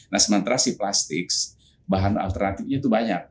nah sementara si plastik bahan alternatifnya itu banyak